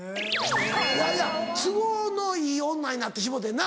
いやいや都合のいい女になってしもうてんな。